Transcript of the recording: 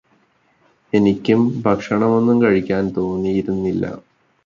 എനിക്കും ഭക്ഷണമൊന്നും കഴിക്കാൻ തോന്നിയിരുന്നില്ലാ